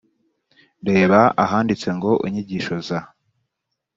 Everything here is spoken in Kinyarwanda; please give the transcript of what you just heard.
reba ahanditse ngo inyigisho za